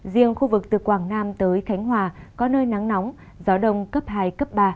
riêng khu vực từ quảng nam tới khánh hòa có nơi nắng nóng gió đông cấp hai cấp ba